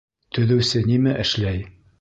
Төҙөүсе нимә эшләй?